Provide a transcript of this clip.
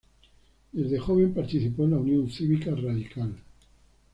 Desde joven participó en la Unión Cívica Radical.